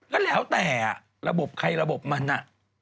ก็แล้วแต่ระบบใครระบบมันอ่ะ